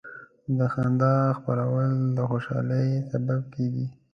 د خندا خپرول د خوشحالۍ سبب کېږي.